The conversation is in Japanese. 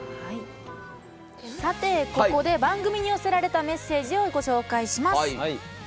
さてここで番組に寄せられたメッセージをご紹介します。